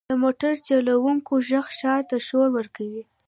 • د موټر چټکولو ږغ ښار ته شور ورکوي.